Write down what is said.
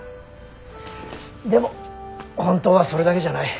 でも本当はそれだけじゃない。